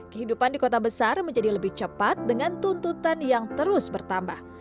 kehidupan di kota besar menjadi lebih cepat dengan tuntutan yang terus bertambah